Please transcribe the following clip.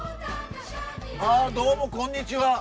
あどうもこんにちは！